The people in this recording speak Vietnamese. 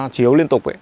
nếu liên tục